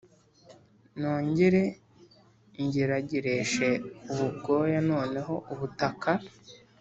nongere ngeragereshe ubu bwoya Noneho ubutaka